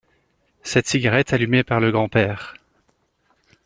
Cette cigarette allumée par le grandpère.